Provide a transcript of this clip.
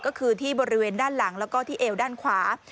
ก็คือที่บริเวณด้านหลังแล้วก็ที่เอวด้านขวา